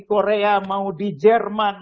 korea mau di jerman